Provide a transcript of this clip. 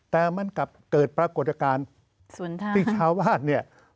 แต่มันกลับเกิดปรากฏการณ์ที่ชาวบ้านเนี่ย